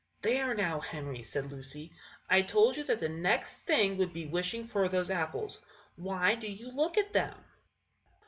"There, now, Henry!" said Lucy; "I told you that the next thing would be wishing for those apples. Why do you look at them?"